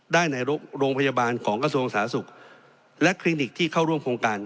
ได้ในโรงพยาบาลของกระทรวงสาธารณสุขและคลินิกที่เข้าร่วมโครงการ